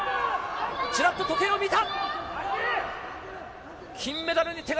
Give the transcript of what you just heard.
ちらっと時計を見た。